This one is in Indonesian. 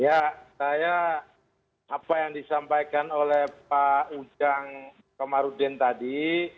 ya saya apa yang disampaikan oleh pak ujang komarudin tadi